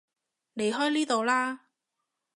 離開呢度啦